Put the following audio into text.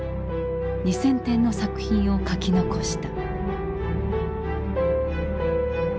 ２，０００点の作品を描き残した。